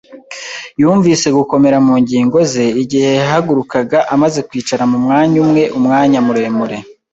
yumvise gukomera mu ngingo ze igihe yahagurukaga amaze kwicara mu mwanya umwe umwanya muremure.